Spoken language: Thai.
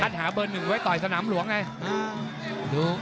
หาเบอร์หนึ่งไว้ต่อยสนามหลวงไง